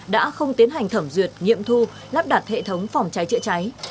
đã không tiến hành thẩm duyệt nghiệm thu lắp đặt hệ thống phòng trái trựa trái